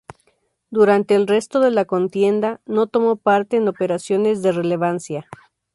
Durante el resto de la contienda no tomó parte en operaciones de relevancia.